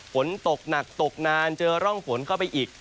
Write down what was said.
ฝนตกหนักตกนานเจอร่องฝนเข้าไปอีก